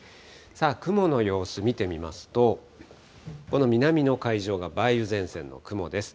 雲の様子見てみますと、この南の海上が梅雨前線の雲です。